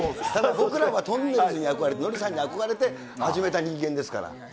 僕らはとんねるずに憧れて、ノリさんに憧れて、始めた人間ですから。